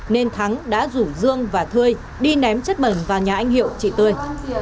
nên thắng đã rủ dương và tươi đi ném chất bẩn vào nhà anh hiệu chị tươi